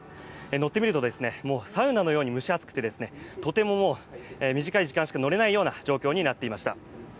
乗ってみるとですね、もうサウナのように蒸し暑くてですねとても短い時間しか乗れないような状況になっていました。